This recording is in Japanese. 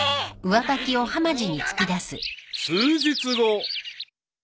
［数日後］